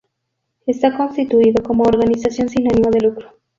Está constituido como organización sin ánimo de lucro.